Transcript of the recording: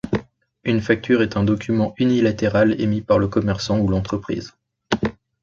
Une facture est un document unilatéral émis par le commerçant ou l'entreprise.